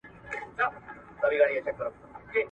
یو له بله بېلېدل سوه د دوستانو.